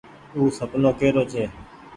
او سپنو ڪي رو ڇي۔